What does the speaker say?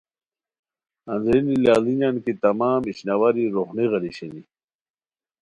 اندرینی لاڑینیان کی تمام اشنواری روخنی غیری شینی